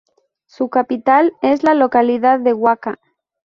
Su capital es la localidad de Huaca.